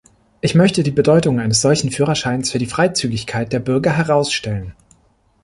Ich möchte die Bedeutung eines solchen Führerscheins für die Freizügigkeit der Bürger herausstellen.